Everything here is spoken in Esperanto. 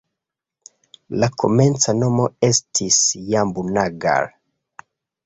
La komenca nomo estis "Jambu-Nagar".